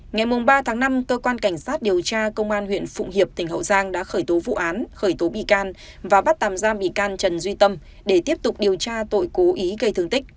ngày ba tháng năm cơ quan cảnh sát điều tra công an huyện phụng hiệp tỉnh hậu giang đã khởi tố vụ án khởi tố bị can và bắt tạm giam bị can trần duy tâm để tiếp tục điều tra tội cố ý gây thương tích